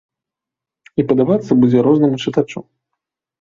І падабацца будзе рознаму чытачу.